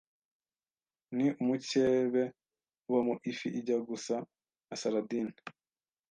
ni umukebe ubamo ifi ijya gusa na Saladine